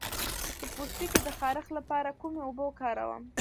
د پوستکي د خارښ لپاره کومې اوبه وکاروم؟